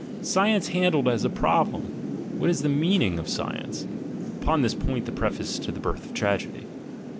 (Science handled as a problem! what is the meaning of science? — upon this point the Treface to the Birth of Tragedy.)